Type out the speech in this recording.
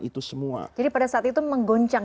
itu semua jadi pada saat itu menggoncang